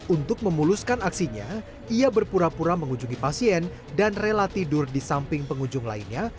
untuk memuluskan aksinya ia berpura pura mengunjungi pasien dan rela tidur di samping pengunjung lainnya